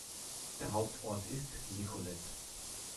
Der Hauptort ist Nicolet.